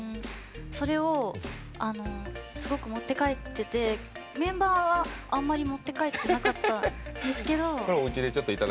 それをすごく持って帰っててメンバーはあんまり持って帰ってなかったんですけど。